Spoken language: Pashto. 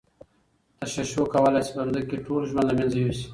تشعشع کولای شي په ځمکه کې ټول ژوند له منځه یوسي.